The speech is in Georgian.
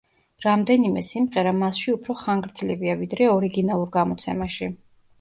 რამდენიმე სიმღერა მასში უფრო ხანგრძლივია, ვიდრე ორიგინალურ გამოცემაში.